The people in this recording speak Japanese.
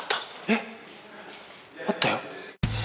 えっあったよ。